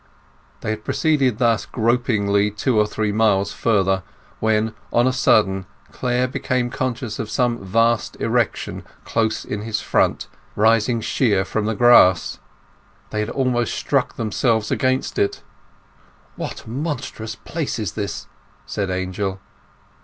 They had proceeded thus gropingly two or three miles further when on a sudden Clare became conscious of some vast erection close in his front, rising sheer from the grass. They had almost struck themselves against it. "What monstrous place is this?" said Angel.